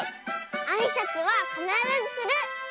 あいさつはかならずする！